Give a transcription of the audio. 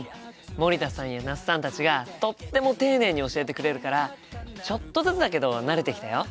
森田さんや那須さんたちがとっても丁寧に教えてくれるからちょっとずつだけど慣れてきたよ。